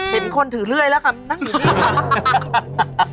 เห็นคนถือเลื่อยแล้วค่ะนั่งอยู่นี่